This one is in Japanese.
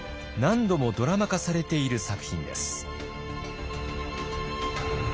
何度もドラマ化されている作品です。